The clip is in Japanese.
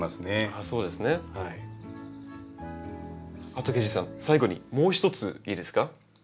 あと下司さん最後にもう一ついいですか？